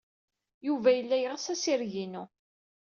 Yuba yella yeɣs assireg-inu.